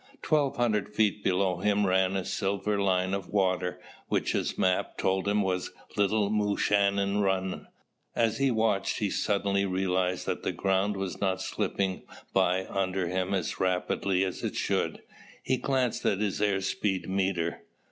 Twelve hundred feet below him ran a silver line of water which his map told him was Little Moshannon Run. As he watched he suddenly realized that the ground was not slipping by under him as rapidly as it should. He glanced at his air speed meter.